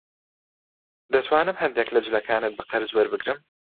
دەتوانم هەندێک لە جلەکانت بە قەرز وەربگرم؟